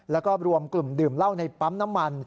แล้วก็รวมกลุ่มดื่มเหล้าในปั๊มน้ำมัน